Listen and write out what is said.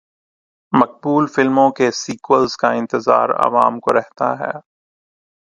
مقبول فلموں کے سیکوئلز کا انتظار عوام کو رہتا ہے۔